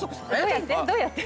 どうやって？